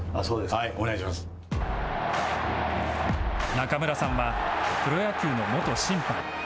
中村さんはプロ野球の元審判。